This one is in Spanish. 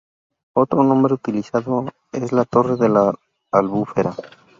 Otro nombre utilizado es la torre de la albufera.